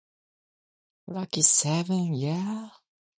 Pathfinder dot com was controversial within Time Warner.